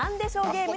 ゲーム」！